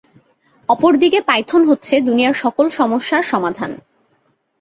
অপরদিকে পাইথন হচ্ছে দুনিয়ার সকল সমস্যার সমাধান!